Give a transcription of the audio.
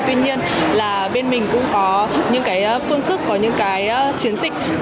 tuy nhiên là bên mình cũng có những cái phương thức có những cái chiến dịch